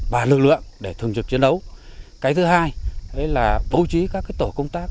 và lực lượng để thường dục chiến đấu cái thứ hai là bố trí các tổ công tác